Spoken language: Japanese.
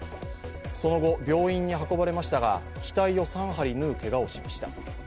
その後、病院に運ばれましたが額を３針縫うけがをしました。